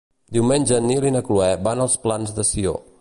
Diumenge en Nil i na Cloè van als Plans de Sió.